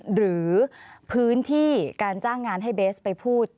หรือพื้นที่การจ้างงานให้เบสไปพูด